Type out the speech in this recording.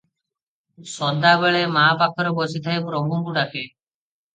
ସଦାବେଳେ ମାଆପାଖରେ ବସିଥାଏ, ପ୍ରଭୁଙ୍କୁ ଡାକେ ।